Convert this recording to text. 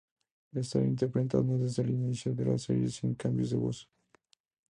Ha estado interpretando desde el inicio de la serie, sin cambios de voz.